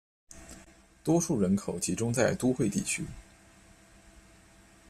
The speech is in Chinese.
多数人口集中在都会地区。